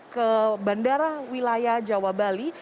ke bandara wilayah jawa bali